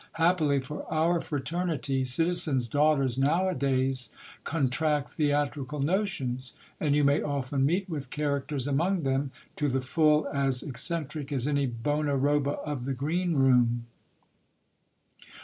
Happily for our fraternity, citizens' daughters now a days contract theatrical notions ; and you may often meet with characters among them, to the full as eccentric as any bona roba of the green room.